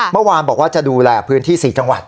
เมื่อวานบอกว่าจะดูแลพื้นที่๔จังหวัด